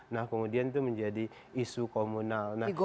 nah kemudian itu menjadi isu komunal